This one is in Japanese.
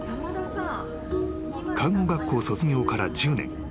［看護学校卒業から１０年］